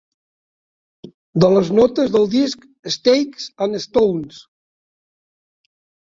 De les notes del disc "Sticks and Stones".